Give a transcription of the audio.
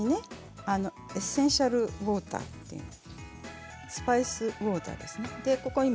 エッセンシャルウォータースパイスウォーターですね。